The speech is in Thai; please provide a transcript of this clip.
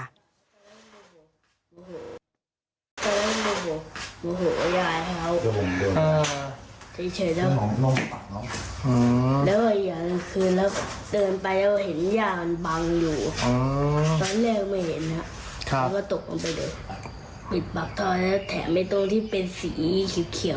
ไม่เห็นครับครับก็ตกลงไปเลยปิดปากท่อแล้วแถมให้ตรงที่เป็นสีเขียวเขียว